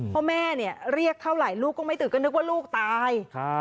พ่อแม่เนี่ยเรียกเท่าไหร่ลูกก็ไม่ตื่นก็นึกว่าลูกตาย